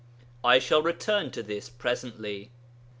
I shall return to this presently.